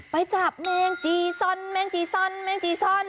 ไปจับแมงจีซอนแมงจีซอนแมงจีซอน